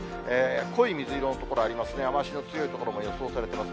濃い水色の所ありますね、雨足の強い所も予想されています。